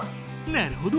なるほど！